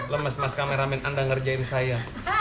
lemes mas kameramen anda ngerjain saya